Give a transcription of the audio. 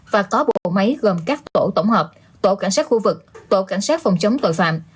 và có bộ máy gồm các tổ tổng hợp tổ cảnh sát khu vực tổ cảnh sát phòng chống tội phạm